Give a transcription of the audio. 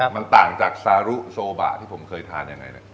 อ๋อมันต่างจากซารุโซบะที่ผมเคยทานอย่างไรนะ